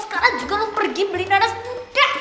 sekarang juga lo pergi beli nanas muda